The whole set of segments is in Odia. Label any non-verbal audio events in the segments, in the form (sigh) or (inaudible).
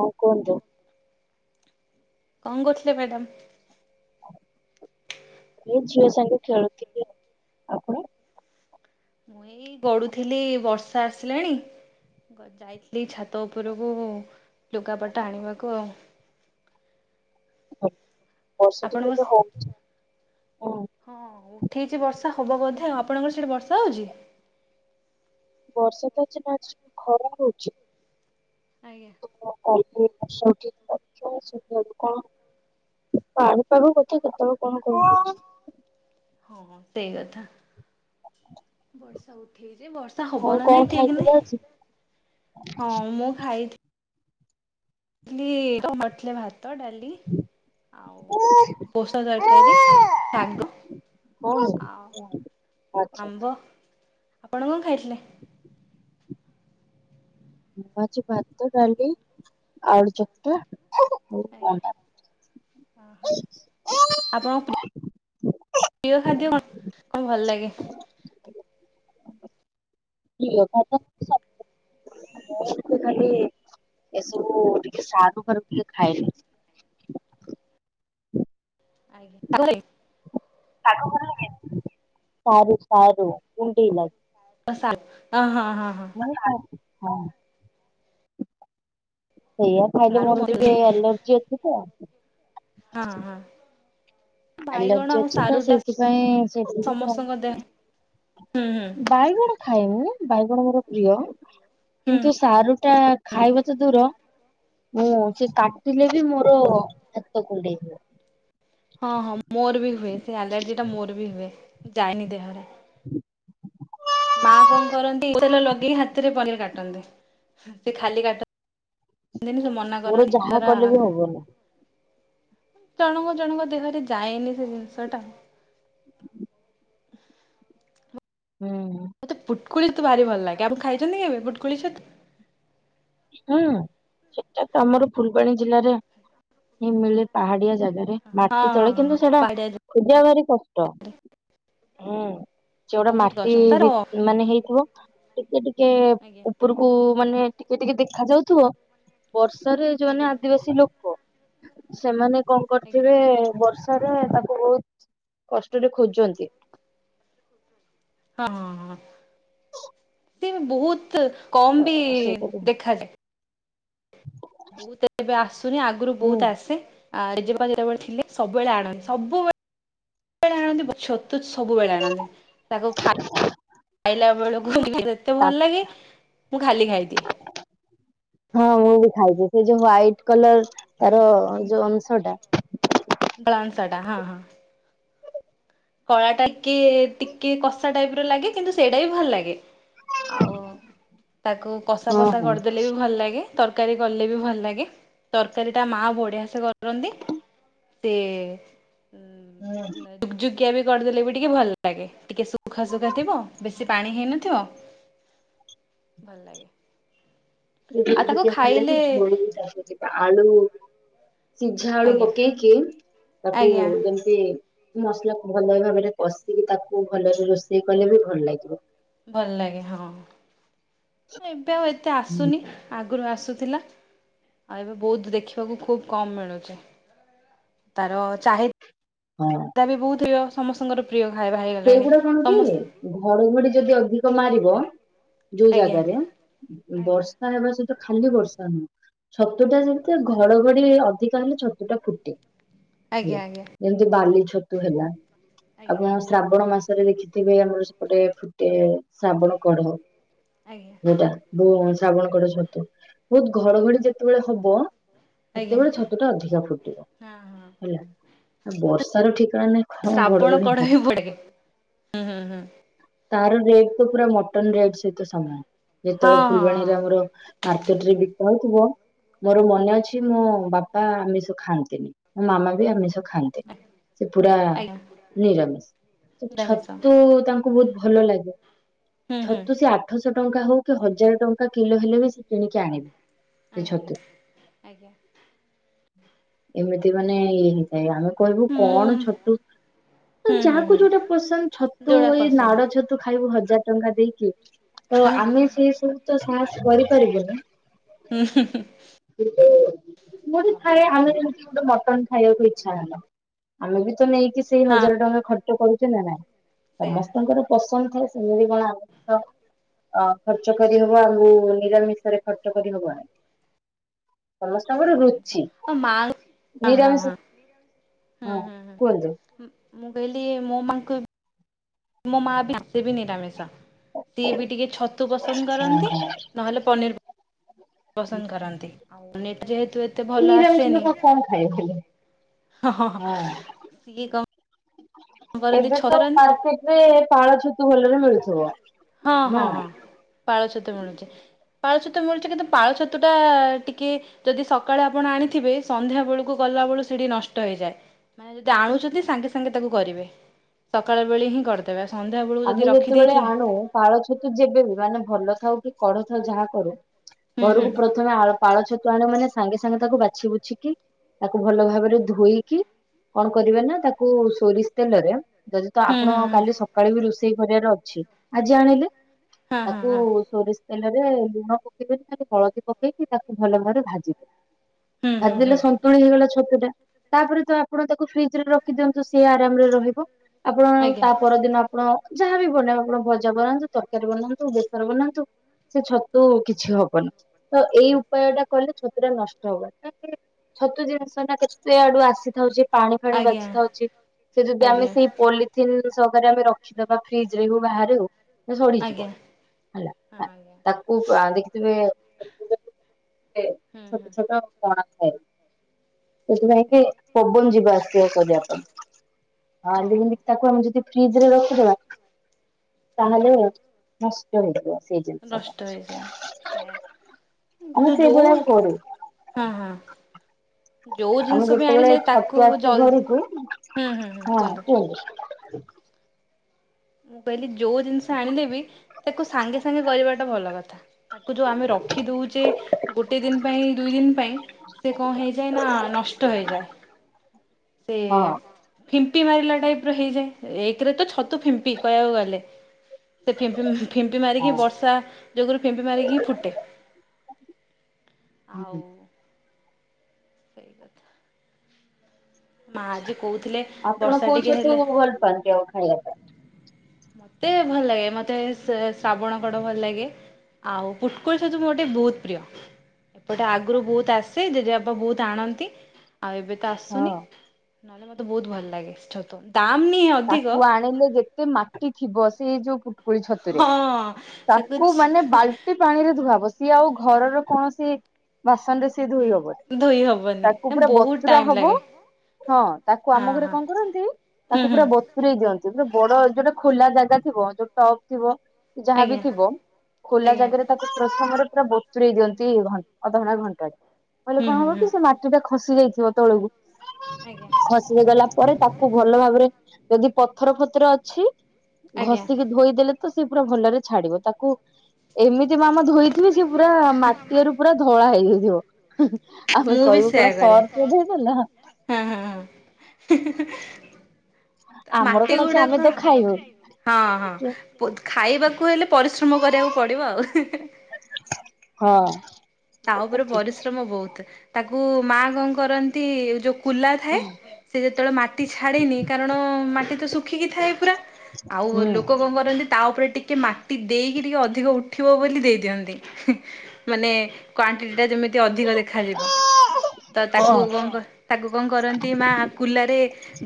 ହଉ କୁହନ୍ତୁ, କଣ କରହୁଥିଲେ ମ୍ୟାଡାମ୍? ଏଇ ଝିଅ ସାଙ୍ଗେ ଖେଳୁଥିଲି, ଆପଣ ମୁଁ ଏଇ ପଡ଼ୁଥିଲି ବର୍ଷା ଆସିଲାଣି? (unintelligible) ଯାଇଥିଲି ଛାତ ଉପରକୁ ଲୁଗାପଟା ଆଣିବାକୁ ଆଉ, ହଉ ବର୍ଷା ଆପଣଙ୍କ ଟିକେବେ ହଉଛି ହୁଁ, ହଁ ଉଠେଇଛି ବର୍ଷା ହବ ବୋଧେ ଆ ଆପଣଙ୍କର ସେଠି ବର୍ଷା ହଉଛି? ବର୍ଷା ତ ଅଛି ପ୍ରାୟ୍ ଖରା ହଉଛି, ଆଜ୍ଞା, ମୁଁ କଲ୍ କରୁଥିଲି (unintelligible) ସୁବୁନି କଣ, ପାଣାପାଗ କଥା କେତେବେଳେ କଣ କରୁଛି, ହଁ-ହଁ ସେଇ କଥା ବର୍ଷା ଉଠେଇଛି ବର୍ଷ୍ ତା ଆଉ ହବନ କଣ ନାଇଁ ଠିକ୍ ନାଇ ଖାଇଥିଲେ ଆଜି? ହଁ ମୁଁ ଖାଇଥିଲ୍ ଲି ତ କରିଥିଲେ ଭାତ ଡାଲି ଆ ଆଉ ହଁ ପୋଷା ତରକାରୀ ଶାଗ ଆଉ, ଆଚ୍ଛା ଆମ୍ବ ଆପଣ କଁ ଖାଇଥିଲେ? ମୁ ମାଛି ଭାତ ଡାଲି ଆଉଳ ଚପଟା। ଆଜ୍ଞା ଅ ହ ଆପଣଙ୍କ ପ୍ରିୟ ଖାଦ୍ୟ କଣ କଣ ଭଲ ଲାଗେ। (unintelligible) ଖାଲି ଏସବୁ ଟିକେ ସଧ କର ଟିକେ ଖାଏ। ଆ (unintelligible) ସାରୁ ସାରୁ ଡି ଲାଗ। ସ ହ ହଁ ହଁ ହଁ। ସେଇଆ ଖାଇଲେ ସାରୁ ମୋର ମତେ ବି ଟିକେ ଯେଥିିକ ଆ। ହଁ ହଁ। ବାଇଗଣ ଆଲର୍ଜି ଆଉ ଅଛି ତ ସାରୁ ଟା ସେଇଥିପାଇଁ ସେତିକି ଖାଏ। ସମସ୍ତଙ୍କ ଦେହ ହୁଁ। ବାଇଗଣ ଖାଏନି ବାଇଗଣ ମୋର ପ୍ରିୟ। ହୁଁ କିନ୍ତୁ ସାରୁ ଟା ଖାଇବା ହୁଁ ତ ଦୂର ମୁଁ ସେ କାଟିଲେ ବି ମୋର ହାତ କୁଡେଇ ହୁଏ। ହଁ ହଁ ମୋର ବି ହୁଏ ସେ ଆଲର୍ଜି ଟା ମୋର ବି ହୁଏ ଯାଇନି ଦେହରେ। ହ (unintelligible) ମା କଣ କରନ୍ତି ତେଲ ଲଗେଇ ହାତରେ ପନିର କାଟନ୍ତି ସେ ଖାଲି କାଟନ୍ତି ଏିନ (unintelligible) ମୋର ଯାହା କଲେ ବି ହବନ। ଜଣଙ୍କ ଜଣଙ୍କ ଦେହରେ ଯାଏନି ସେ ଜିନିଷ ଟା। ହୁଁ। ମତେୁଟକୁଳି ତ ଭାରି ଭ ଲାଗେ ଆମ ଖାଇଛନ୍ତି କେବେ ପୁଟୁକୁଳି ଛତୁ। ହୁଁ ସେଟା ତ ଆମର ଫୁଲବାଣୀ ଜିଲ୍ଲାରେ ମିଳେ ପାହାଡିଆ ଜାଗା। ହଁ ମାଟି ହଁ ତଳେ ହଁ କିନ୍ତୁ ସେଟା ପାହାଡିଆ ଖୋଜିବା ଭାରି କଷ୍ଟ ହୁଁ। ସେଉଟା ବହୁତ ମାଟି କଷ୍ଟ ତାର ମାନେ ହେଇଥିବ ଟିକେ ଟିକେ ଆଜ୍ଞା ଉପରକୁ ମାନେ ଟିକେ ଟିକେ ଦେଖ ଯାଉଥିବ ବର୍ଷାରେ ଯୋଉ ମମାନେେ ଆଜ୍ଞା ଆଦିବାସୀ ଲୋକ। ସେମାନେ କଣ ଆଜ୍ଞା କରିଥିବେ ବର୍ଷା ତାକୁ ବହୁତ କଷ୍ଟରେ ଖୋଜଛନ୍ତି। ହଁ ହଁ ହଁ। ସେ ବହୁତ କମ ତ ବି ସେଇଟାକୁ ଦେଖାଯାଏ। ବହୁତ ଏବେ ଆସୁନି ଆଗରୁ ହୁଁ ବହୁତ ଆସେ। ଆ ଏଜେବା ଯେତେବେଳେ ଥିଲେ ସବୁବେଳେ ଆଣନ୍ତି ସବୁବେଳେବବେଳେ ଆଣନ୍ତି ତୁ ସବୁବେଳେ ଆଣନ୍ତିେ ତାକୁ ଖାଇ ଖାଇଲା ବେଳକୁ ଏତେ ତା ଭଲ ଲାଗେ ମୁଁ ଖାଲି ଖାଇଦିଏ। ହଁ ମୁଁ ବି ଖାଇଛି ସେ ଯୋଉ ହ୍ୱଵାଇଟ କଲର ତାର ଯୋଉ ଅଂଶ ଟା। ପଳାନ ସାଟା ହଁ ହଁ। କଳା ଟା ଟିକେ ଟିକେ କଷା ଟାଇପ ର ଲାଗେ କିନ୍ତୁ ସେଇଟା ବି ଭଲ ଲାଗେ। ଆଉ ତାକୁ କଷା ହଁ ଫଷା ହଁ କରିଦେଲେ ବି ଭଲ ଲାଗେ। ତରକାରୀ କଲେ ବି ଭଲ ଲାଗେ ତରକାରୀ ଟା ମା ବଢିଆ ସେ କରୁଛନ୍ତି। ସେ। ହୁଁ। ୁ (unintelligible) ଟକିଆ ବି କରିଦେଲେ ବି ଟିକେ ଭଲ ଲାଗେ ଟିକେ ଶୁଖା ଶୁଖା ଥିବ ବେଶି ପାଣି ହେଇନଥିବ। ଭଲ ଲାଗେ। ଆଉ ତାକୁ ଖାଇଲେ (unintelligible) ଆଳୁ ସିଝା ଆଳୁ ଆଜ୍ଞା ପକେଇକି ତାକୁ ଆଜ୍ଞା ଏମି ତି ମସଲାକୁ ଭଲ ଭାବରେ କଷିକି ତାକୁ ଭଲରେ ରୋଷେଇ କଲେ ବି ଭଲ ଲାଗିବ। ଭଲ ଲାଗେ ହଁ ଏବେ ଆଉ ଏତେ ହୁଁ ଆସୁନି। ଆଗରୁ ଆସୁଥିଲା ଆଉ ଏବେ ବହୁତ ଦେଖିବାକୁ ଖୁବ କମ ମିଳୁଛି। ତାର ଚାହି ହଁ। ତା ବି ବହୁତ ହ ସମସ୍ତଙ୍କର ପ୍ରିୟ ଖାଇବା ହେଇଗଲାଣି ସେଇଗୁଡା କଣ କି ସମ ଘଡଘଡି ଯଦି ଅଧିକ ମାରିବ ଯୋଉ ଆଜ୍ଞା ଜାଗାରେ ଆଜ୍ଞା ବର୍ଷା ହେବା ସ ଖାଲି ବର୍ଷା ନୁହଁ ଛତୁ ଟା ଯେମିତି ଘଡଘଡି ଅଧିକା ହେଲେ ଛତୁ ଟା ଫୁଟେ। ଆଜ୍ଞା ଆଜ୍ଞା। ଏମିତି ବାଲି ଛତୁ ହେଲା ଆପଣ ଶ୍ରାବଣ ମାସରେ ଦେଖିଥିବେ ଆମର ସେପଟେ ଫୁଟେ ଶ୍ରାବଣ କଢ। ଆଜ୍ଞା ଆଜ୍ଞା ସେଟା ଶ୍ରାବଣ ଯୋଉ କଡ ଛତୁ ବହୁତ ଘଡଘଡି ଯେତେବେଳେ ହବ। ଆଜ୍ଞା ସେତେବେଳେ ଛତୁ ଟା ଅଧିକା ଫୁଟେ। ହଁ ହଁ ହେଲା ମତେ ବର୍ଷାର ଠିକଣା ନାଇ କଣ ଶ୍ରାବଣ ଘଡଘଡି କଢ (unintelligible) ପଡେ ହୁଁ ହୁଁ ହୁଁ। ତାର ରେଟ ତ ପୁରା ମଟନ ରେଟ ସହିତ ସମାନ ଯେତେବେଳେ ହଁ ହଁ ଫୁଲବାଣୀରେ ହଁ। ଆମର ମାର୍କେଟ ରେ ବିକା ହେଉଥିବ ମୋର ମନେ ଆଜ୍ଞା ଅଛି। ମୋ ବାପା ଆମିଷ ଖାଆନ୍ତିନି ମୋ ମାମା ବି ଆମିଷ ଖାଆନ୍ତି। ସେ ପୁରା ଆଜ୍ଞା ନିରାମିଷ। ତ ନିରାମିଷ ଛତୁ ତାଙ୍କୁ ବହୁତ ଭଲ ଲାଗେ ହୁଁ ହୁଁ ଛତୁ ସେ ଆ ଆଠଶହ ଟଙ୍କା ହଉ କି ହଜାର ଟଙ୍କା କିଲୋ ହେଲେ ବି ସେ କିଣିକି ଆଣିବେ। ସେ ଆଣିବେ ଛତୁ ଆଜ୍ଞା ଏମିତି ମାନେ ଇଏ ହେଇଥାଏ ଆମେ କହିବୁ ମୁଁ କଣ ଛତୁ ଯାହା ହୁଁ ହୁଁ ତାକୁ ହୁଁ ଯୋଉଟା ପସନ୍ଦ ଛତୁ ଯୋଉଟା ଏଇ ପସନ୍ଦ ନାଡ ଛତୁ ଖାଇବୁ ହଜାର ଟଙ୍କା ଦେଇକି ତ ଆମେ ସେ ସବୁ ତ ସାହସ କରିପାରିବୁନୁ। ଉ ହୁଁ ହୁଁ। (unintelligible) ମତେ ଥାଏ (unintelligible) ଗୋଟେ ମଟନ ଖାଇବାକୁ ଇଚ୍ଛା ହେଲା ଆମେ ବି ତ ନେଇକି ସେଇ ହଁ ହଜାର ଟଙ୍କା ଖ ନାଇଁ ସେଇଆ ସମସ୍ତଙ୍କର ପସନ୍ଦ ଥାଏ ସେମିତି କଣ ଆମ ଅ ଖର୍ଚ୍ଚ କରିହବ ଆମକୁ ନିରାମିଷରେ ଖର୍ଚ୍ଚ କରିହବ ଆ। ସମସ୍ତଙ୍କର ସେଇ ଜିନିଷ ରୁଚି ଆଉ ମା ହଁ ହଁ ହଁ ନିରାମିଷ? ହୁଁ ହଁ ହୁଁ କୁହନ୍ତୁ। ହୁଁ ମୁଁ କହିଲି ମୋ ମା ଙ୍କୁ ମୋ ମା ବି ପାଟିବି ନିରାମିଷା ସିଏ ବି ଟିକେ ଛତୁ ପସନ୍ଦ କରନ୍ତି। ନହେଲେ ପନିର ପସନ୍ଦ କରନ୍ତି ଆଉ ଯେହେତୁ ଏ ନିରାମିଷ କଣ କମ ଖାଏ କିଲୋ ହଁ। ସିଏ କଣ କରନ୍ତି ଏବେ ଛ ତ କରନ୍ତି ମାର୍କେଟରେ ପାଳ ଛତୁ ଭଲରେ ମିଳୁଥିବ। ହଁ ନା ହଁ ହଁ ପାଳ ଛତୁ ମିଳୁଛି। ପାଳ ଛତୁ ମିଳୁଛି କିନ୍ତୁ ପାଳ ଛତୁ ଟା ଟିକେ ଯଦି ସକାଳେ ଆପଣ ଆଣିଥିବେ ସନ୍ଧ୍ୟା ବେଳକୁ ଗଲାବେେଳକୁ ସେଠି ନଷ୍ଟ ହେଇଯାଏ। ମାନେ ଯଦି ଆଣୁଛନ୍ତି ସାଙ୍ଗେ ସାଙ୍ଗେ ତାକୁ କରିବେ ସକାଳ ବେଳେ ହିଁ କରିଦେବେ। ତେବେ ସନ୍ଧ୍ୟାବେଳକୁ ଆମେ ଯଦି ଯେତେବେଳେ ରଖିଦେଇଥିବେ। ଆଣୁ ପାଳ ଛତୁ ଯେବେବି ମାନେ ଭଲ ଥାଉକି କଡ଼ ଥାଉ ଯାହା କରୁ ହୁଁ ହୁଁ ଘରକୁ ପ୍ରଥମେ ଆଳୁ ପାଳ ଛତୁ ଆଣିବୁ ମାନେ ସାଙ୍ଗେ ସାଙ୍ଗେ ତାକୁ ବାଛି ବୁଛିକି ତାକୁ ଭଲ ଭାବରେ ଧୋଇକି କଣ କରିବେନା ତାକୁ ସୋରିଷ ତେଲରେ ଯ ତ ହୁଁ ହୁଁ ଆପଣ କାଲି ହୁଁ ସକାଳେବି ରୋଷେଇ ଘରିବାରେ ଅଛି ଆଜି ଆଣିଲେ ହଁ ହଁ ତାକୁ ହଁ ସୋରି ତେଲରେ ଲୁଣ ପକେଇବେନି ଖଲି ହଳଦୀ ପକେଇକି ତାକୁ ଭଲ ଭାବରେ ଭାଜିବେ ହୁଁ ହୁଁ ଭାଜିଲେ ହୁଁ ସନ୍ତୁ ତୁଣି ହେଇଗଲା ଛତୁଟା ତାପରେତ ଆପଣ ତାକୁ ଫ୍ରିଜରେ ରଖିଦିଅନ୍ତୁ ସିଏ ଆରାମରେ ରହିବ। ଆପଣ ଆଜ୍ଞା ତା ପରଦିନ ଆପଣ ଯାହାବି ବନେଇବେ ଆପଣ ଭଜା ବନାନ୍ତୁ ତରକାରୀ ବନାନ୍ତୁ ବେସର ବନାନ୍ତୁ ସେ ଛତୁ କିଛି ହବନି ତଏଇ ଉପାୟଟା କଲେ ଛତୁଟା ନଷ୍ଟ ହବନି। ଛତୁ ଜିନିଷଟା କେତେ ଆଡ଼ୁ ଆସି ଉ ପାଣି ଫାଣି ଆଜ୍ଞା ବାଜିଥାଉଛି ସେ ଯଦି ଆମେ ଆଜ୍ଞା ସେଇ ପଲିଥିିନ ସହକରେ ଆମେ ର ରଖିଦବା ଫ୍ରିଜରେ ହଉ ବାହରେ ହଉ ସଢଯିବ ଆଜ୍ଞା ହଁ ହେଲା ଆଜ୍ଞା ତାକୁ ଦେଖିଥିବେ (unintelligible) ହୁଁ ଛୋଟ ହୁଁ ଛୋଟ କଣାଥାଏ ସେଥିପାଇଁକି ପବନ ଯିବା ଆସିବା କରିବା ପାଇଁ। ହଁ ଯେମିତି ତାକୁ ଆମେ ଯଦି ଫ୍ରିଜରେ ରଖିଦବା ତାହେଲେ ନଷ୍ଟ ହେଇଯିବ ସେଇ ଜିନିଷଟା ନଷ୍ଟ ହେଇଯାଏ ସେଇୟା ଆମେ ସେଇଭଳିଆ କରୁ। ହୁଁ ହୁଁ। ଯୋଉ ଆମେ ଜିନିଷବି ଯେତେବେଳେ ଆଣିଲେ ତାକୁ ଛତୁ ଆସେ ଜଲ ଘରକୁ ହୁଁ ହୁଁ ହୁ କୁହନ୍ତୁ। ମୁଁ କହିଲି ଯୋଉ ଜିନିଷ ଆଣିଲେବି ତାକୁ ସାଙ୍ଗେ ସାଙ୍ଗେ କରିବାଟା ଭଲ କଥା। ତାକୁ ଯୋଉ ଆମେ ରଖିଦଉ ଯେ ଗୋଟେ ଦିନ ପାଇଁ ଦୁଇ ଦିନ ପାଇଁ ସେ କଣ ହେଇଯାଏନା ନଷ୍ଟ ହେଇଯାଏ। ସେ ହଁ ଫିମ୍ପି ମାରିଲା ଟାଇପର ହେଇଯାଏ ଏକରେତ ଛତୁ ଫିମ୍ପ ପିକ ଗଲେ ସେ ଫିମ୍ପି ମାରିକି ହଁ ବର୍ଷା ଯୋଗୁରୁ ଫିମ୍ପି ମାରିକି ଫୁଟେ ଆଉ ହୁଁ। ସେଇ କଥା ମା ଆଜି କହୁଥିଲେ ଆପଣ ବର୍ଷା ଟିକେ କୋଉଛତୁ ହେଲେ ଭଲ ପାଆନ୍ତି ଆଉ ଖାଇବାକୁ? ମତେ ଭଲ ଲାଗେ ମତେ ଶେ ଶ୍ରାବଣ କଡ଼ ଭଲ ଲାଗେ ଆଉ ପୁଟକୁଳି ଛତୁ ମୋର ଟିକେ ବହୁତ୍ ପ୍ରିୟ। ସେଟା ଆଗରୁ ବହୁତ୍ ଆସେ ଜେଜେବାପା ବହୁତ୍ ଆଣନ୍ତି ଆଉ ଏବେତ ହଁ ଆସୁନି ନହେଲେ ମତେ ବହୁତ୍ ଭଲ ଲାଗେ ଛତୁ ଦାମ ନିଏ ଅଧିକ ଆଣିିଲେ ଯେ ଗେ ମାଟି ଥିବ ସେଇ ଯୋଉ ପୁଟକୁଳି ଛତୁରେ ତାକୁ ମାନେ ବାଲ୍ଟି ପାଣିରେ ଧୁଆହବ ସିଏ ଆଉ ଘରର କୌଣସି ବାସନରେ ସିଏ ଧୋଇହବନି। ଧୋଇ ହବନି ତାକୁ ପୁରା ବହୁତ ବତୁରା ଟାଇମ ହବ ଲାଗେ ହଁ ତାକୁ ହଁ ଆମ ଘରେ ହଁ କଣ କରନ୍ତି ହୁଁ ତାକୁ ହୁଁ ପୁରା ବତୁରେଇ ଦିଅନ୍ତି ପୁରା ବଡ଼ ଯୋଉଟା ଖୋଲା ଜାଗା ଥିବ ଯୋଉ ଟପ୍ ଥିବ ଯାହାବି ଆଜ୍ଞା ଥିବ ଖୋଲା ଆଜ୍ଞା ଜାଗାରେ ତା ପ୍ରଥମରେ ପୁରା ବତୁରରେଇ ଦିଅନ୍ତି ଘ ଅଧଘଣ୍ଟା ଘଣ୍ଟାଟେ କଲେ ହୁଁ କଣ ହୁଁ ହୁଁ ହବକି ସେମାଟିଟା ଖସି ଯାଇଥିବ ତଳକୁ ଆଜ୍ଞା ଖସି ଗଲା ପରେ ତାକୁ କୁ ଭଲ ଭାବରେ ଯଦି ପଥର ଫଥର ଅଛି ଆଜ୍ଞା ଘଷିକି ଧୋଇଦେଲେ ତ ସେପୁରା ଭଲରେ ଛାଡ଼ିବ ତାକୁ ଏମିତି ମାମା ଧୋଇଥିବେ ସେ ପୁରା ମାଟିଆରୁ ପୁରା ଧଳା ହେଇଯାଇଥିବ। ଆମେ ମୁଁ ବି କହିବୁ କଣ ସେୟା କରେ ସର୍ପରେ ଧୋଇଦେଲ। ହଁ ହଁ ହଁ ଆମର ମାଟି କଣ ଅଛି ଗୁଡ଼ାକ ତ ଆମେ ଖାଇବୁ ହଁ, ହଁ କି ବହୁତ ଖାଇବାକୁ ହେଲେ ପରିଶ୍ରମ କରିବାକୁ ପଡିବ ଆଉ। ହଁ। ତା ଉପରେ ପରିଶ୍ରମ ବହୁତ ତାକୁ ମା କଣ କରନ୍ତି। ଯୋଉ କୁଲା ଥାଏ ସେ ଯେତେବେଳେ ମାଟି ଛାଡେନି କାରଣ ମାଟି ତ ଶୁଖିକି ଥାଏ ପୁରା ଆଉ ହୁଁ ଲୋକ କଣ କରନ୍ତି, ତା ଉପରେ ଟିକେ ମାଟି ଦେଇକି ଟିକେ ଅଧିକ ଉଠିବ ବୋଲି ଦେଇଦିଅନ୍ତି। ମାନେ କ୍ଵାଣ୍ଟିଟିଟା ଯେମିତି ଅଧିକ ଦେଖାଯିବ। ତ ହଁ ତାକୁ କଣ କ ତାକୁ କଣ କରନ୍ତି ମା କୁଲାରେ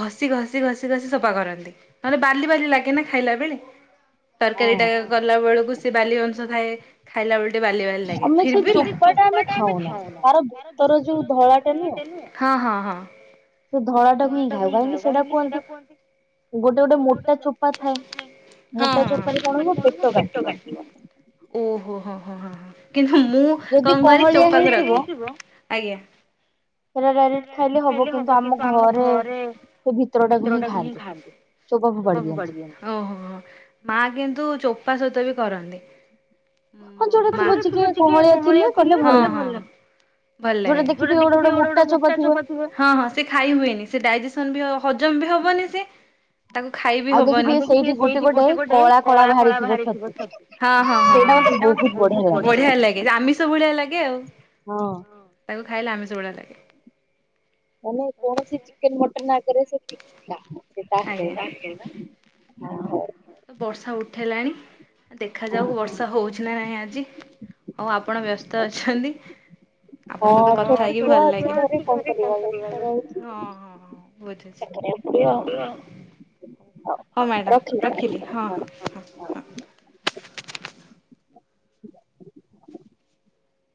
ଘଷି ଘଷି -ଘଷି- ଘଷି ସଫା କରନ୍ତି। ନହେଲେ ବାଲି ବାଲି ଲାଗେ ନା ଖାଇଲା ବେଳେ। ତରକାରୀ ଟା କଲା ବେଳକୁ ସେି ବାଲି ଅଂଶ ଥାଏ। ଖାଇଲା ବେଳ ଟିକେ ବାଲି ବାଲି ଲାଗେ। ଫିର୍ ବି ଲାଗେ କପା ଟା ଆମେ ଖାଉନା ତାର ଭିତର ଯୋଉ ଧଳା ଟା ନୁହେଁ ହଁ, ହଁ, ହଁ। ସେ ଧଳା ଟାକୁ ହିଁ ଖାଉ। କାହିଁକି ସେଟା କୁହନ୍ତି ଗୋଟେ ଗୋଟେ (unintelligible) ମୋଟା ଚୋପ ଚୋପ କଣ ପେଟ କାଟିବ। ଓହୋ। ହଁ, ହଁ, ହଁ କିନ୍ତୁ ମୁଁ ଯଦି କଣ କର କହଳିଆ ଚୋପାକୁ ରଖେ। ହେଇଥିବ (unintelligible) ଆଜ୍ଞା। ସେଇଟା ଡାଇରେକ୍ଟ ଖାଇଲେ ହବ କିନ୍ତୁ ଆମ ଘରେ ସେ ଭିତର ଟାକୁ ହିଁ ଖାଆନ୍ତି। ଚୋପା ଫୋପାଡି ଦିଅନ୍ତି। ଓହୋ ମା କିନ୍ତୁ ଚୋପା ସହିତ ବି କରନ୍ତି। ହଁ ମା ଯୋଉଟା ଥିବ ଉପର ଟିକେ କହଳିଆ ଥବ କଆଁଳିଆ ଥିଲେ କଲେ ହଁ ଭଲ ହଁ ଭଲ ଲାଗେ। ଗୋଟେ ଦେଖିଥିବେ ଗୋଟେ ଗୋଟେ ମୋଟା ଚୋପା ହଁ ହଁ ସେ ଖାଇ ହୁଏନି। ସେ ଡାଇଜେସନ ବି ହଜମ ବି ହବନି ସେ ତାକୁ ଖାଇବି ହବନି। ଭାବୁଛି ସେ ସେଇଠି ଗୋଟେ ଗୋଟେ କଳା କଳା ବାହାରିଥିବ (unintelligible) ହଁ, ହଁ, ହଁଁ। ସେଇଟା ମତେ ବହୁତ ବଢିଆ ଲାଗେ। ଆମିଷ ଭଳିଆ ବଢିଆ ଲାଗେ ଆଉ। ହଁ ତାକୁ ଖାଇଲେ ଆମିଷ ଭଳିଆ ଲାଗେ। ମାନେ କୌଣସି ଚିକେନ ମଟନ ଆଗରେ ସେ ଫିକା। ସେ ତା ଆଜ୍ଞା। (unintelligible) ହଉ। ବର୍ଷା ଉଠାଇଲାଣି ଦେଖାଯାଉ ବର୍ଷା ହେଉଛି ନା ନାହିଁ ଆଜି? ହଉ ଆପଣ ବ୍ୟସ୍ତ ଅଛନ୍ତି? ହଁ ଆପଣଙ୍କ ଛୋଟ ସହିତ ଛୁଆ ଅଛି କଥା ଘରେ କଣ ହେଇକି କରିବା ଭଲ ଲାଗିଲା। ହଁ, ହଁ। ହଁ ସେଇୟା କରିବାକୁ ବୁଝୁଛି ପଡିବ। ଆଉ ହଉ ମ୍ୟାଡ଼ାମ ରଖିଲି ହଁ, ହଁ, ହଁ।